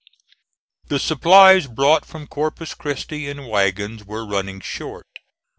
The supplies brought from Corpus Christi in wagons were running short.